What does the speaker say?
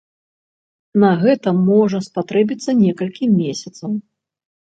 На гэта можа спатрэбіцца некалькі месяцаў.